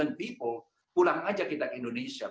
dua puluh lima juta orang pulang saja kita ke indonesia